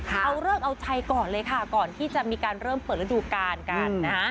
เอาเลิกเอาชัยก่อนเลยค่ะก่อนที่จะมีการเริ่มเปิดฤดูกาลกันนะฮะ